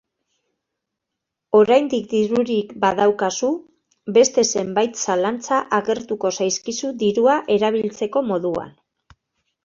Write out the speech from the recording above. Oraindik dirurik badaukazu, beste zenbait zalantza agertuko zaizkizu dirua erabiltzeko moduan.